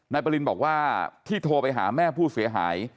ปรินบอกว่าที่โทรไปหาแม่ผู้เสียหาย